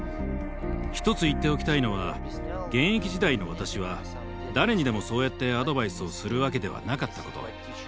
一つ言っておきたいのは現役時代の私は誰にでもそうやってアドバイスをするわけではなかったこと。